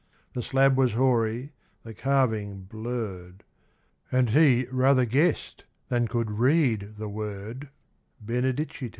The slab was hoary, the carving blurred. And he rather guessed than could read the word, Benedicite.